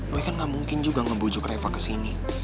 boy kan nggak mungkin juga ngebujuk reva ke sini